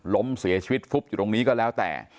ล้มเสียชีวิตฟุบอยู่ตรงนี้ก็แล้วแต่